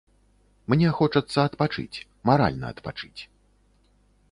Мне хочацца адпачыць, маральна адпачыць.